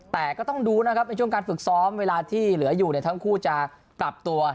แต่ก็ต้องดูนะครับในช่วงการฝึกซ้อมเวลาที่เหลืออยู่เนี่ยทั้งคู่จะปรับตัว